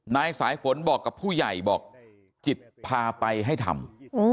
นายสายฝนบอกกับผู้ใหญ่บอกจิตพาไปให้ทำ